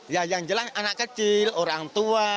ya yang jelas anak kecil orang tua